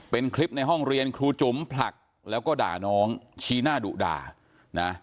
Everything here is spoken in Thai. เป็นคลิปในห้องเรียนครูจุ๋มผลักแล้วก็ด่าน้องชี้หน้าดุด่านะ